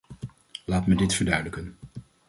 Laat me dit verduidelijken.